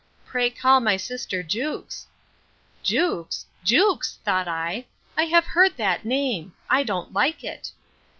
Pray call my sister Jewkes.—Jewkes! Jewkes! thought I; I have heard of that name; I don't like it.